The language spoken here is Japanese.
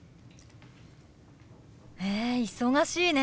へえ忙しいね。